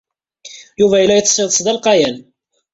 Yuba yella yeḍḍes iḍes d alqayan.